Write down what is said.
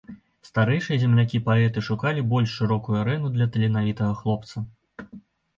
Старэйшыя землякі-паэты шукалі больш шырокую арэну для таленавітага хлопца.